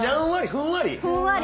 ふんわり。